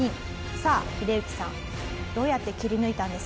さあヒデユキさんどうやって切り抜いたんですか？